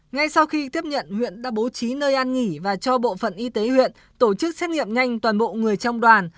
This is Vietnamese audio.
ngay sau khi tiếp nhận huyện đã bố trí nơi an nghỉ và cho bộ phận y tế huyện tổ chức xét nghiệm nhanh toàn bộ người trong đoàn